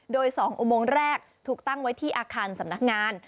โดย๒อุโมงแรกถูกตั้งไว้ที่อาคารสำนักงาน